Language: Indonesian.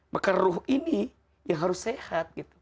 maka ruh ini ya harus sehat